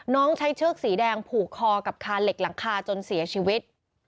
ใช้เชือกสีแดงผูกคอกับคาเหล็กหลังคาจนเสียชีวิต